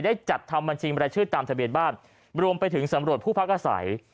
จัดทำบัญชีบรายชื่อตามทะเบียนบ้านรวมไปถึงสำรวจผู้พักอาศัย